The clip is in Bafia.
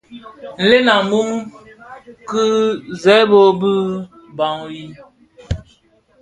Nlem a mum ki zerbo, bi bag wii,